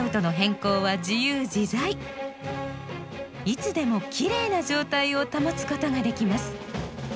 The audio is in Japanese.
いつでもきれいな状態を保つことができます。